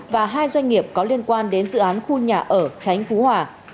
và hai doanh nghiệp có liên quan đến dự án khu nhà ở tránh phú hòa